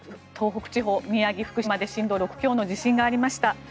東北地方、宮城、福島で震度６強の地震がありました。